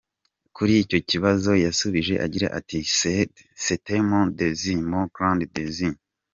Kuri icyo kibazo yasubije agira ati :« C’est mon désir, mon grand désir.